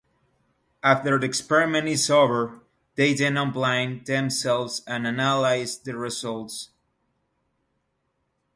After the experiment is over, they then "unblind" themselves and analyse the results.